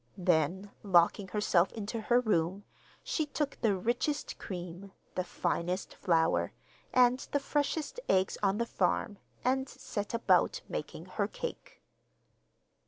Then, locking herself into her room, she took the richest cream, the finest flour, and the freshest eggs on the farm, and set about making her cake.